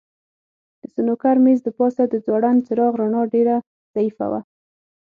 د سنوکر مېز د پاسه د ځوړند څراغ رڼا ډېره ضعیفه وه.